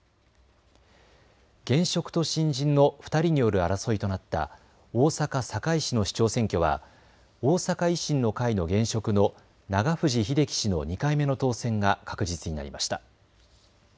現職と新人の２人による争いとなった大阪堺市の市長選挙は大阪維新の会の現職の永藤英機氏の２回目の当選が確実になりました。